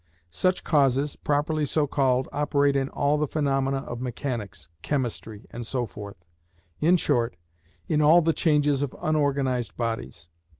Such causes, properly so called, operate in all the phenomena of mechanics, chemistry, and so forth; in short, in all the changes of unorganised bodies.